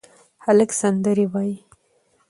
هلک سندرې وايي